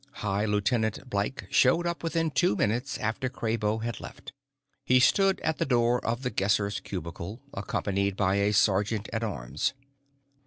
High Lieutenant Blyke showed up within two minutes after Kraybo had left. He stood at the door of The Guesser's cubicle, accompanied by a sergeant at arms.